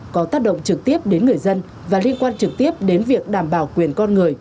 có tác động trực tiếp đến người dân và liên quan trực tiếp đến việc đảm bảo quyền con người